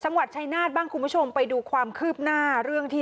จังหวัดชายนาฏบ้างคุณผู้ชมไปดูความคืบหน้าเรื่องที่